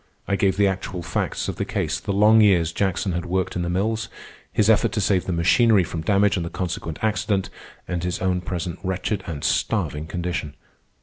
I gave the actual facts of the case, the long years Jackson had worked in the mills, his effort to save the machinery from damage and the consequent accident, and his own present wretched and starving condition.